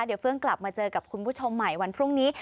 เดี๋ยวเฟื้องกลับมาเจอกับคุณผู้ชมใหม่วันพรุ่งนี้